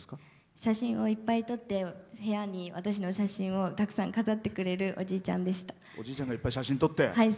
写真をいっぱい撮って部屋に私の写真をたくさん飾ってくれるおじいちゃんでした。